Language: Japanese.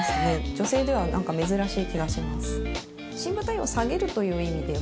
女性ではなんか珍しい気がします。